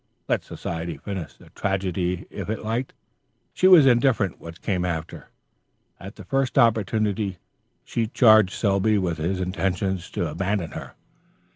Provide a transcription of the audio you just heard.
Let society finish the tragedy if it liked; she was indifferent what came after. At the first opportunity, she charged Selby with his intention to abandon her.